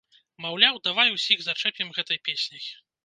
Маўляў, давай, усіх зачэпім гэтай песняй!